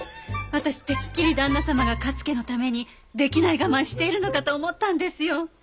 私てっきり旦那様が勝家のためにできない我慢しているのかと思ったんですよ。